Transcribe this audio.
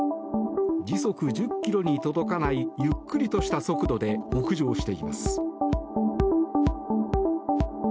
時速１０ｋｍに届かないゆっくりとした速度で北上しています。